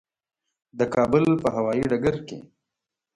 د کابل په هوایي ډګر کې.